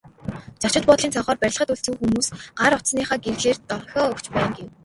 Зочид буудлын цонхоор барилгад үлдсэн хүмүүс гар утасныхаа гэрлээр дохио өгч байна гэв.